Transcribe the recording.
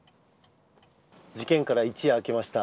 事件から一夜明けました。